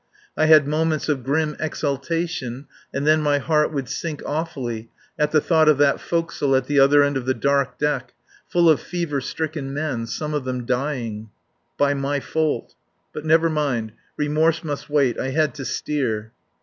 I had moments of grim exultation and then my heart would sink awfully at the thought of that forecastle at the other end of the dark deck, full of fever stricken men some of them dying. By my fault. But never mind. Remorse must wait. I had to steer.